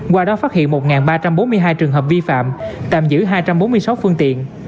qua đó phát hiện một ba trăm bốn mươi hai trường hợp vi phạm tạm giữ hai trăm bốn mươi sáu phương tiện